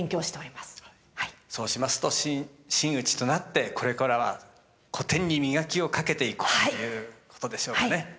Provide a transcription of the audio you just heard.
そうしますと真打となってこれからは古典に磨きをかけていくということでしょうかね。